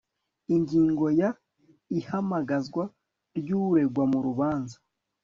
ingingo ya ihamagazwa ry uregwa murubanza